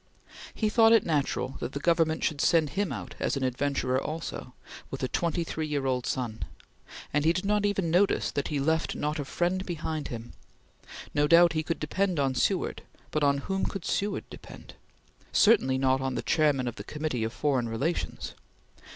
He thought it natural that the Government should send him out as an adventurer also, with a twenty three year old son, and he did not even notice that he left not a friend behind him. No doubt he could depend on Seward, but on whom could Seward depend? Certainly not on the Chairman of the Committee of Foreign Relations.